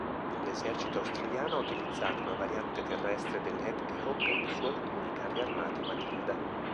L'esercito australiano ha utilizzato una variante terrestre dell'Hedgehog su alcuni carri armati Matilda.